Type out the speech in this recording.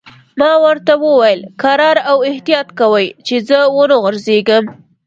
ما ورته وویل: کرار او احتیاط کوئ، چې زه و نه غورځېږم.